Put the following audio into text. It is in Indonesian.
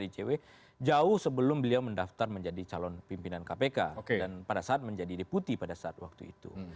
icw jauh sebelum beliau mendaftar menjadi calon pimpinan kpk dan pada saat menjadi deputi pada saat waktu itu